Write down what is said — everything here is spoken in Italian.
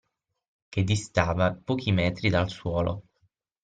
Che distava pochi metri dal suolo